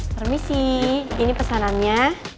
permisi ini pesanannya